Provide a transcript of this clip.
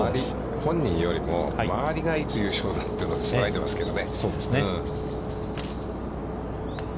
本人よりも周りが、いつ優勝だというのを騒いでますね。